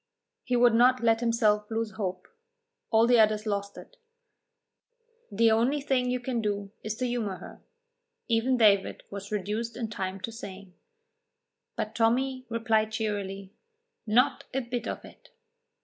He would not let himself lose hope. All the others lost it. "The only thing you can do is to humour her," even David was reduced in time to saying; but Tommy replied cheerily, "Not a bit of it."